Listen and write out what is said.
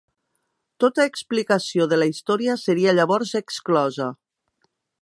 Tota explicació de la història seria llavors exclosa.